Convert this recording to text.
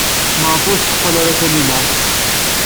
Maɣef ur tetteqqal ara Taninna?